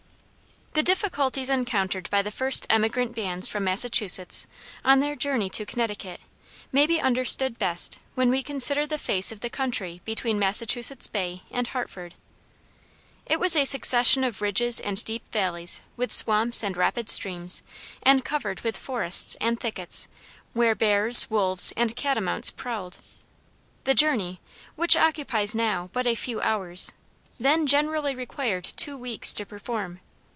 The difficulties encountered by the first emigrant bands from Massachusetts, on their journey to Connecticut, may be understood best when we consider the face of the country between Massachusetts Bay and Hartford. It was a succession of ridges and deep valleys with swamps and rapid streams, and covered with forests and thickets where bears, wolves, and catamounts prowled. The journey, which occupies now but a few hours, then generally required two weeks to perform.